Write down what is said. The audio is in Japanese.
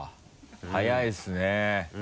早いですね。